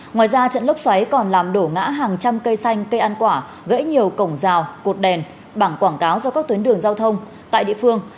ngoài ra trận lốc xoáy còn làm đổ ngã hàng trăm cây xanh cây ăn quả gãy nhiều cổng rào cột đèn bảng quảng cáo do các tuyến đường giao thông tại địa phương